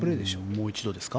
もう一度ですか？